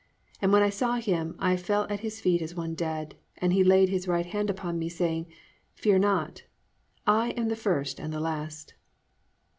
And when I saw him, I fell at his feet as one dead, and he laid his right hand upon me saying, Fear not; I am the first and the last."